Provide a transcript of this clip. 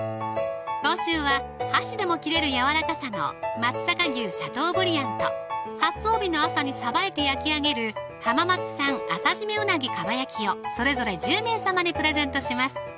今週は箸でも切れるやわらかさの「松阪牛シャトーブリアン」と発送日の朝にさばいて焼き上げる「浜松産朝じめうなぎ蒲焼き」をそれぞれ１０名様にプレゼントします